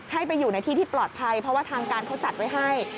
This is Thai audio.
ให้ไปอยู่ในที่ที่ปลอดภัยเพราะว่าทางการเขาจัดไว้ให้